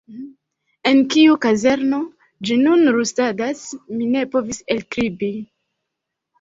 En kiu kazerno ĝi nun rustadas, mi ne povis elkribri.